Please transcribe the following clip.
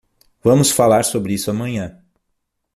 Vamos falar sobre isso amanhã.